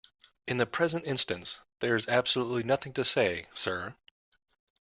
In the present instance, there is absolutely nothing to say 'Sir?'